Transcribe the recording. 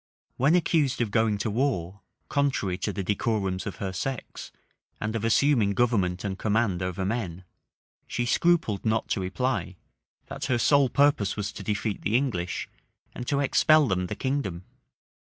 When accused of going to war, contrary to the decorums of her sex, and of assuming government and command over men, she scrupled not to reply, that her sole purpose was to defeat the English, and to expel them the kingdom.